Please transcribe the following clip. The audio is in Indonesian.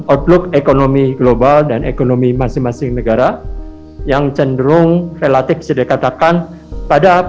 outlook ekonomi global dan ekonomi masing masing negara yang cenderung relatif bisa dikatakan pada